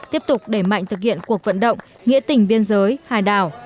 tiếp tục đẩy mạnh thực hiện cuộc vận động nghĩa tình biên giới hải đảo